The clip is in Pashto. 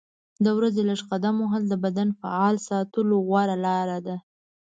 د ورځې لږ قدم وهل د بدن فعال ساتلو غوره لاره ده.